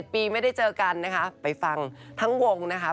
ปีไม่ได้เจอกันนะคะไปฟังทั้งวงนะคะ